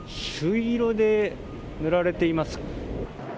朱色で塗られています。